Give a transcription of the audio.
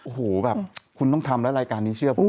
โอ้โหแบบคุณต้องทำแล้วรายการนี้เชื่อผม